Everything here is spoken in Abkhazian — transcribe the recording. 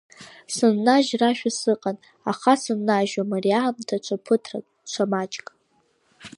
Сыннажьрашәа сыҟан, аха сыннажьуам ари аамҭа ҽа ԥыҭрак, ҽа маҷк.